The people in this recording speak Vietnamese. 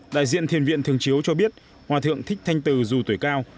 đại diện thiền viện thường chiếu cho biết hòa thượng thích thanh từ dù tuổi cao